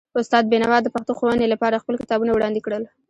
استاد بینوا د پښتو ښوونې لپاره خپل کتابونه وړاندې کړل.